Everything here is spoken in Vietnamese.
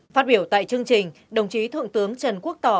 phát biểu tại chương trình đồng chí thượng tướng trần quốc tỏ